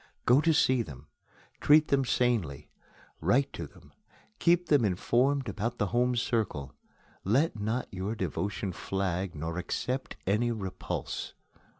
Go to see them, treat them sanely, write to them, keep them informed about the home circle; let not your devotion flag, nor accept any repulse.